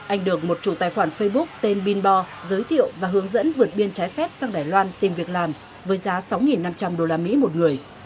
anh được một chủ tài khoản facebook tên binbo giới thiệu và hướng dẫn vượt biên trái phép sang đài loan tìm việc làm với giá sáu năm trăm linh usd một người